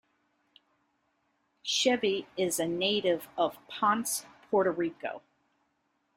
"Chevy" is a "native" of Ponce, Puerto Rico.